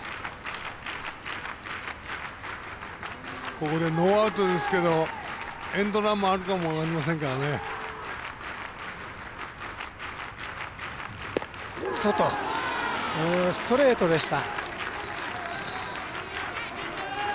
ここでノーアウトですけどエンドランもあるかもストレートでした。